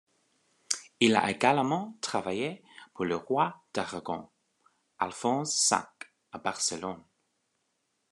Il a également travaillé pour le roi d'Aragon Alphonse V, à Barcelone.